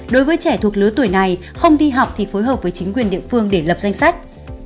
đối với trẻ thuộc lứa tuổi này không đi học thì phối hợp với chính quyền địa phương để lập danh sách